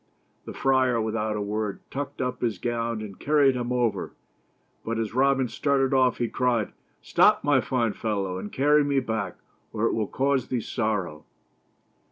The friar, without a word, tucked up his gown and carried him over, but as Robin started off he cried: —" Stop, my fine fellow, and carry me back or it will cause thee sorrow."